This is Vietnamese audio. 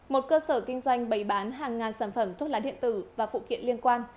một cơ sở kinh doanh bày bán hàng ngàn sản phẩm thuốc lá điện tử và phụ kiện liên quan